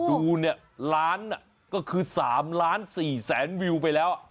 ดูเนี่ยล้านก็คือ๓ล้าน๔แสนวิวไปแล้ว